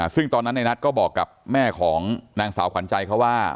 ซึ่งตอนนั้นในนัทก็บอกกับแม่ของนางสาวขวัญใจเขาว่า